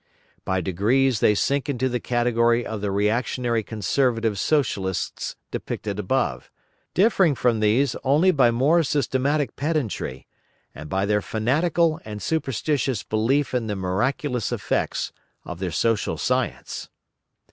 By degrees they sink into the category of the reactionary conservative Socialists depicted above, differing from these only by more systematic pedantry, and by their fanatical and superstitious belief in the miraculous effects of their social science.